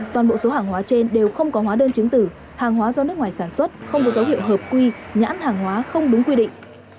toàn bộ số hàng hóa trên đều không có hóa đơn chứng tử hàng hóa do nước ngoài sản xuất không có dấu hiệu hợp quy nhãn hàng hóa không đúng quy định